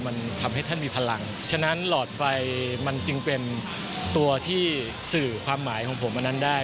มันทำให้ท่านมีพลังฉะนั้นหลอดไฟมันจึงเป็นตัวที่สื่อความหมายของผมอันนั้นได้